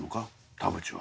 田渕は？